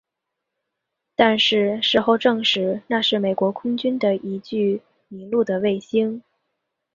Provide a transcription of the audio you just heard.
但是事后证实那是美国空军的一具迷路的卫星。